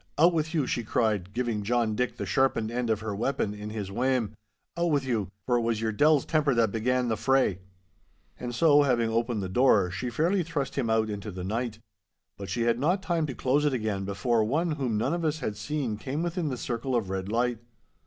Out with you,' she cried, giving John Dick the sharpened end of her weapon in his wame, 'out with you, for it was your de'il's temper that began the fray.' And so, having opened the door, she fairly thrust him out into the night. But she had not time to close it again before one whom none of us had seen came within the circle of red light.